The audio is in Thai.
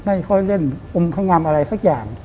ไม่ค่อยเล่นอมพงำอะไรสักอย่าง